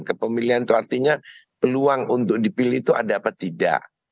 kepemilian itu artinya peluang untuk dipilih itu ada apa tidak